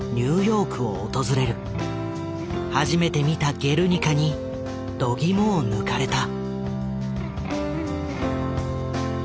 初めて見た「ゲルニカ」にどぎもを抜かれた。